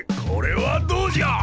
これはどうじゃ！